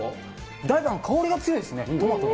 だいぶ香りが強いですね、トマトの。